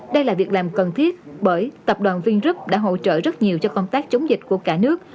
đây là việc làm cần thiết bởi tập đoàn vingroup đã hỗ trợ rất nhiều cho công tác chống dịch của cả nước